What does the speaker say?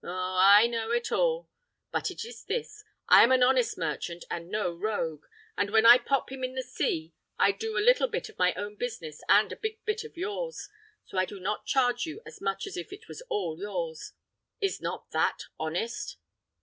Oh! I know it all. But it is this: I am an honest merchant and no rogue, and when I pop him in the sea I do a little bit of my own business and a big bit of yours, so I do not charge you so much as if it was all yours. Is not that honest?"